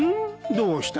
どうした。